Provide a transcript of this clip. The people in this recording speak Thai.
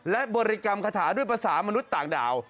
และบริกรรมคาถาด้วยภาษามนุษย์ต่างดาว